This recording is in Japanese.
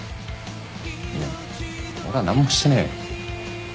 いや俺は何もしてねえよ。